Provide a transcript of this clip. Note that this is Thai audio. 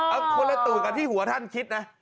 เอาคนละตู่กับที่หัวท่านคิดนะ